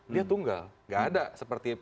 dia tunggal nggak ada seperti